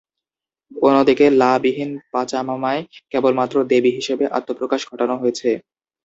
অন্যদিকে, ‘লা’-বিহীন পাচামামায় কেবলমাত্র দেবী হিসেবে আত্মপ্রকাশ ঘটানো হয়েছে।